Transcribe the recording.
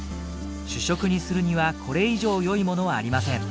主食にするにはこれ以上良いものはありません。